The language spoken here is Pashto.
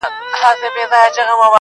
کور ساړه او دروند دی او ژوند پکي بند-